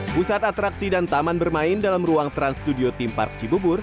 pusat atraksi dan taman bermain dalam ruang trans studio theme park cibubur